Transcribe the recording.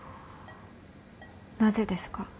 なぜですか？